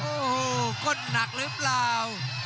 โอ้โหก้นหนักหรือเปล่า